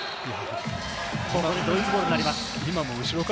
ドイツボールになります。